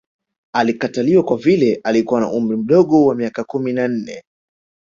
Alikataliwa kwa vile alikuwa na umri mdogo wa miaka kumi na nne